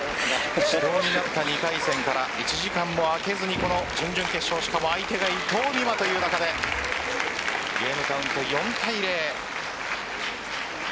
２回戦から１時間も空けずに準々決勝、しかも相手が伊藤美誠という中でゲームカウント４対０。